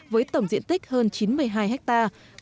với tổng diện tích hơn chín mươi hai hectare